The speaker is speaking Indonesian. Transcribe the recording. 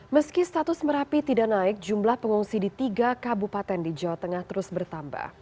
meski status merapi tidak naik jumlah pengungsi di tiga kabupaten di jawa tengah terus bertambah